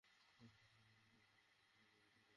যখন আমাকে জেরা করছিলেন তখনই একটা তাজা প্রাণ ঝড়ে গেছে!